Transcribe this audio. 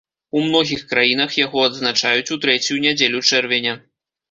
У многіх краінах яго адзначаюць у трэцюю нядзелю чэрвеня.